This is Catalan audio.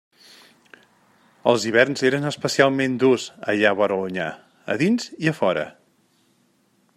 Els hiverns eren especialment durs allà vora l'Onyar, a dins i a fora.